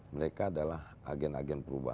mereka adalah agen agen perubahan